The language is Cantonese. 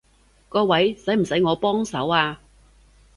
各位，使唔使我幫手啊？